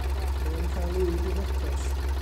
Mae o'n cael uwd i frecwast.